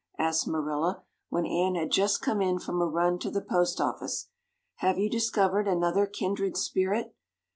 asked Marilla, when Anne had just come in from a run to the post office. "Have you discovered another kindred spirit?"